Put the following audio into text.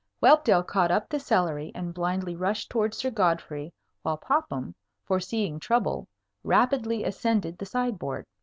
Whelpdale caught up the celery, and blindly rushed towards Sir Godfrey, while Popham, foreseeing trouble, rapidly ascended the sideboard.